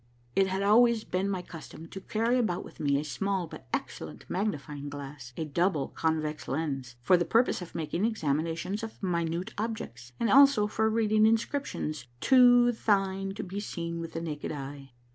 It had always been my custom to carry about with me a small but excellent magnifying glass, a double convex lens, for the purpose of making examinations of minute objects, and also for reading inscriptions too tine to be seen with the naked eye.